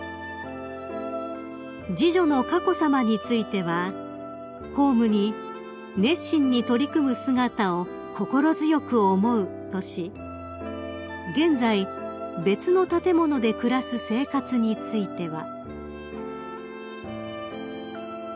［次女の佳子さまについては「公務に熱心に取り組む姿を心強く思う」とし現在別の建物で暮らす生活については］